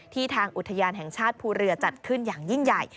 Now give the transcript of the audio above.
ทางอุทยานแห่งชาติภูเรือจัดขึ้นอย่างยิ่งใหญ่